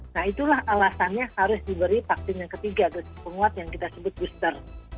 nah itulah alasannya harus diberi vaksin yang ketiga dosis penguat yang kita sebut booster